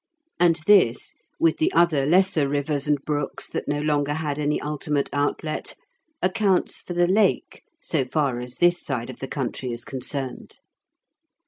And this, with the other lesser rivers and brooks that no longer had any ultimate outlet, accounts for the Lake, so far as this side of the country is concerned.